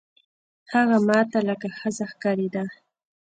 هغه ما ته لکه ښځه ښکارېده.